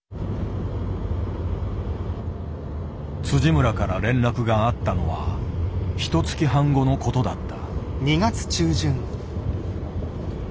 村から連絡があったのはひとつき半後のことだった。